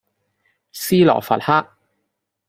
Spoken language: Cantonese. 斯洛伐克